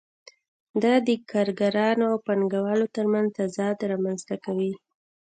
دا د کارګرانو او پانګوالو ترمنځ تضاد رامنځته کوي